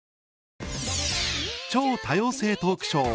「超多様性トークショー！